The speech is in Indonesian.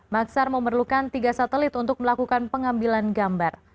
maksar memerlukan tiga satelit untuk melakukan pengambilan gambar